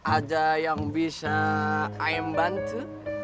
ada yang bisa am bantu